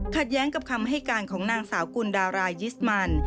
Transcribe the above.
แย้งกับคำให้การของนางสาวกุลดารายิสมัน